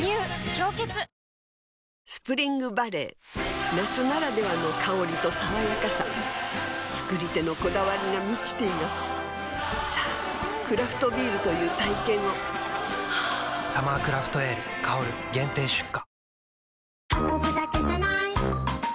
「氷結」スプリングバレー夏ならではの香りと爽やかさ造り手のこだわりが満ちていますさぁクラフトビールという体験を「サマークラフトエール香」限定出荷